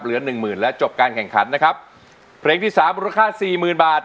เหลือหนึ่งหมื่นและจบการแข่งขันนะครับเพลงที่สามมูลค่าสี่หมื่นบาท